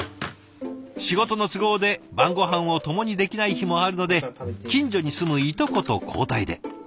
仕事の都合で晩ごはんを共にできない日もあるので近所に住むいとこと交代で。